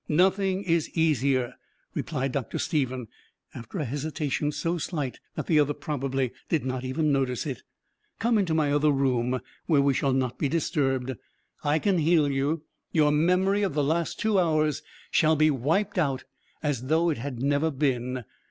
"Nothing is easier," replied Dr. Stephen, after a hesitation so slight that the other probably did not even notice it. "Come into my other room where we shall not be disturbed. I can heal you. Your memory of the last two hours shall be wiped out as though it had never been.